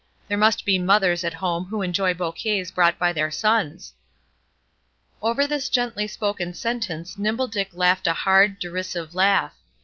There must be mothers at home who will enjoy bouquets brought by their sons." Over this gently spoken sentence Nimble Dick laughed a hard, derisive laugh.